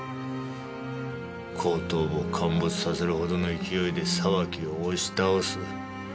後頭部を陥没させるほどの勢いで沢木を押し倒す。